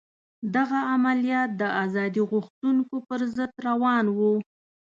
دغه عملیات د ازادي غوښتونکو پر ضد روان وو.